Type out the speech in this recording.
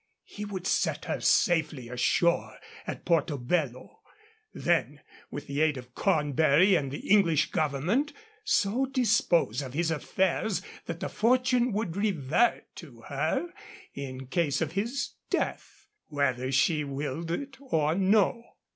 He would set her safely ashore at Porto Bello; then, with the aid of Cornbury and the English government, so dispose his affairs that the fortune would revert to her in case of his death whether she willed it or no.